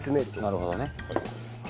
なるほどね。